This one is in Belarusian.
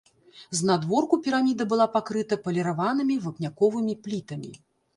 Знадворку піраміда была пакрыта паліраванымі вапняковымі плітамі.